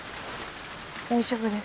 大丈夫です。